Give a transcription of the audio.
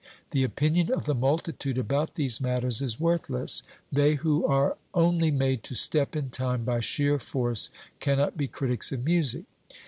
The opinion of the multitude about these matters is worthless; they who are only made to step in time by sheer force cannot be critics of music.